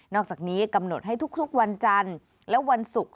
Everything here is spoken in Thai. อกจากนี้กำหนดให้ทุกวันจันทร์และวันศุกร์